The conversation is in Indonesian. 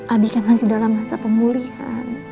abi kan masih dalam masa pemulihan